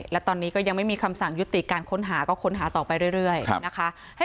และตอนนี้ก็ยังไม่มีคำสั่งยุติการค้นหาก็ค้นหาต่อไปเรื่อยนะคะ